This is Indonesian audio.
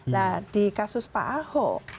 nah di kasus pak ahok